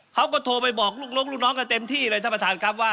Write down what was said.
เขาก็โทรไปบอกลูกน้องกันเต็มที่เลยท่านประธานครับว่า